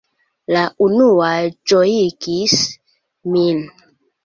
La unuaj ĝojigis min.